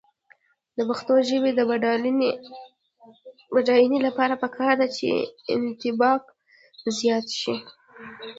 د پښتو ژبې د بډاینې لپاره پکار ده چې انطباق زیات شي.